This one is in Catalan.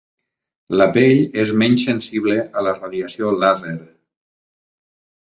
La pell és menys sensible a la radiació làser.